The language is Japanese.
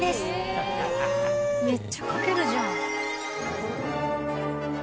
めっちゃかけるじゃん。